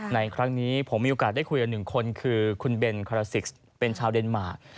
ในครั้งนี้ผมมีโอกาสได้คุยกับหนึ่งคนคือคุณเบนคาราซิกส์เป็นชาวเดนมาร์